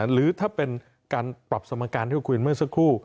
หรือถ้าเป็นการปรับสมการที่เราคุยเมื่อสักครู่